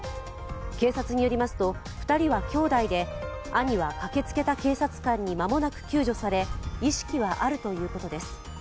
警察によりますと２人は兄弟で兄は駆けつけた警察官に間もなく救助され意識はあるということです。